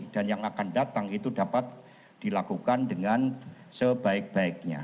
dan yang akan datang itu dapat dilakukan dengan sebaik baiknya